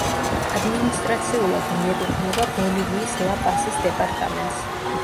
ადმინისტრაციულად მიეკუთვნება ბოლივიის ლა-პასის დეპარტამენტს.